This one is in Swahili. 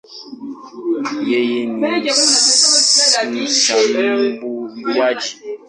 Yeye ni mshambuliaji.